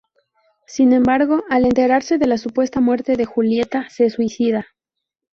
Sin embargo, al enterarse de la supuesta muerte de Julieta, se suicida.